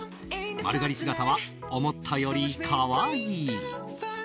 丸刈り姿は思ったより可愛い。